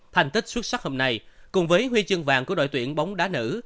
thành tích xuất sắc hôm nay cùng với huy chương vàng của đội tuyển bóng đá nữ